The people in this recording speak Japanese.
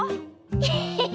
エヘヘ。